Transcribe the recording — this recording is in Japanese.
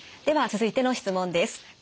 では続いての質問です。